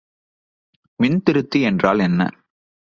மின்திருத்தி என்றால் என்ன?